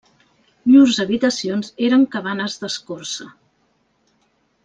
Llurs habitacions eren cabanes d'escorça.